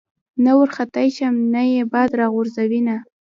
نه ورختی شم نه ئې باد را غورځوېنه